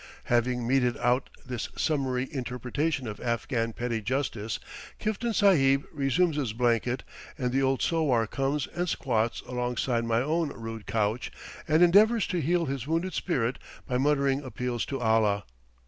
Having meted our this summary interpretation of Afghan petty justice, Kiftan Sahib resumes his blanket, and the old sowar comes and squats alongside my own rude couch, and endeavors to heal his wounded spirit by muttering appeals to Allah.